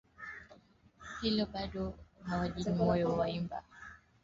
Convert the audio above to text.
Hilo bado haliwavunji moyo waimba taarabu waliobaki